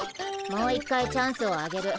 もう一回チャンスをあげる。